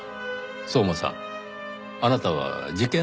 相馬さんあなたは事件